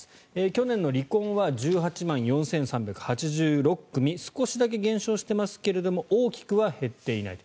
去年の離婚は１８万４３８６組少しだけ減少してますけれども大きくは減っていない。